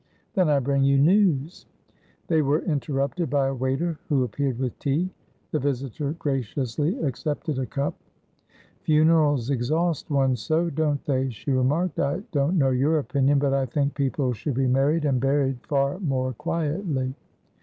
Then I bring you news." They were interrupted by a waiter who appeared with tea. The visitor graciously accepted a cup. "Funerals exhaust one so, don't they?" she remarked. "I don't know your opinion, but I think people should be married and buried far more quietly.